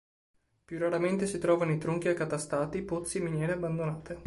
Più raramente si trova nei tronchi accatastati, pozzi e miniere abbandonate.